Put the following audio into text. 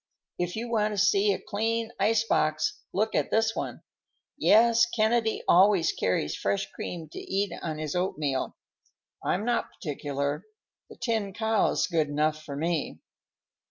"If you want to see a clean ice box, look at this one. Yes, Kennedy always carries fresh cream to eat on his oatmeal. I'm not particular. The tin cow's good enough for me."